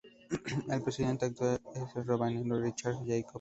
El presidente actual es el rabino Richard Jacobs.